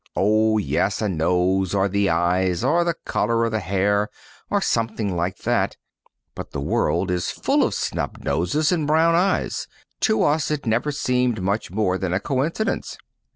Oh, yes, a nose or the eyes or the color of the hair or something like that, but the world is full of snub noses and brown eyes. To us it never seemed much more than a coincidence.